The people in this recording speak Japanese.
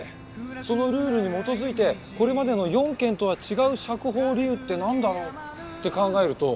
そのルールに基づいてこれまでの４件とは違う釈放理由ってなんだろうって考えると。